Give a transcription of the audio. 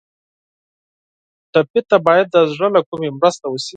ټپي ته باید د زړه له کومي مرسته وشي.